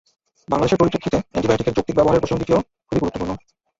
বাংলাদেশের পরিপ্রেক্ষিতে অ্যান্টিবায়োটিক-এর যৌক্তিক ব্যবহারের প্রসঙ্গটিও খুবই গুরুত্বপূর্ণ।